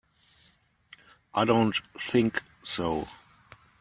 I don't think so.